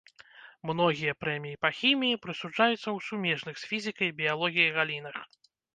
Многія прэміі па хіміі прысуджаюцца ў сумежных з фізікай і біялогіяй галінах.